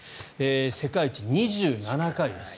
世界一２７回です。